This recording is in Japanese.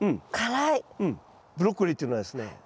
ブロッコリーっていうのはですね